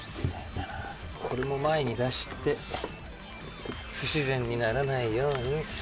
これも前に出して不自然にならないように。